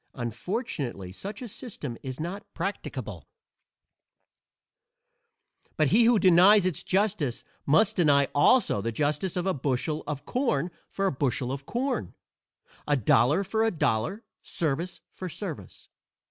Unfortunately such a system is not practicable, but he who denies its justice must deny also the justice of a bushel of corn for a bushel of corn, a dollar for a dollar, service for service.